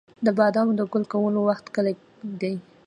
د بادامو د ګل کولو وخت کله دی؟